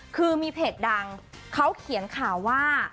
คือมีเพจดังเขาเขียนข่าวว่า